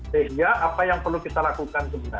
sehingga apa yang perlu kita lakukan sebenarnya